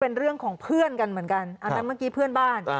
เป็นเรื่องของเพื่อนกันเหมือนกันอันนั้นเมื่อกี้เพื่อนบ้าน